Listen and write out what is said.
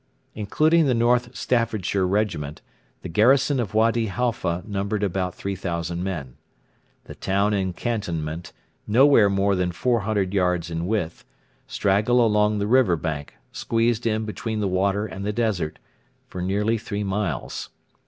Including the North Staffordshire Regiment, the garrison of Wady Halfa numbered about 3,000 men. The town and cantonment, nowhere more than 400 yards in width, straggle along the river bank, squeezed in between the water and the desert, for nearly three miles.